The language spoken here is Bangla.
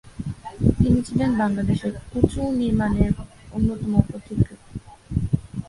তিনি ছিলেন বাংলাদেশের উঁচু নির্মাণের অন্যতম পথিকৃৎ।